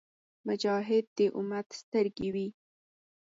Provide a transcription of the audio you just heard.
مجاهد د امت سترګې وي.